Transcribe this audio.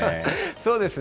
そうですね。